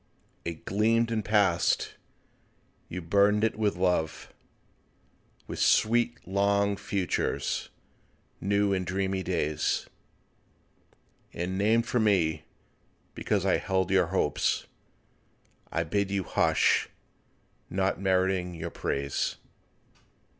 It gleamed and passed—you burdened it with love, With sweet long futures, new and dreamy days: And named for me—because I held your hopes. I bid you hush—not meriting your praise.